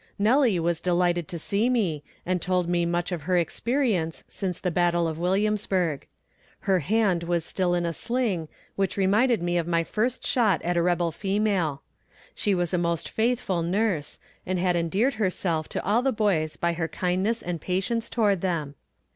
Nellie was delighted to see me, and told me much of her experience since the battle of Williamsburg. Her hand was still in a sling, which reminded me of my first shot at a rebel female. She was a most faithful nurse, and had endeared herself to all the boys by her kindness and patience toward them.